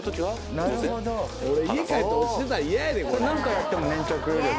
何回やっても粘着力は？